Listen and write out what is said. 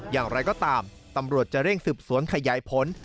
อย่างไรก็ตามตำรวจจะเร่งสืบสวนขยายผล